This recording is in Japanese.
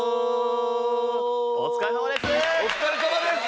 お疲れさまです！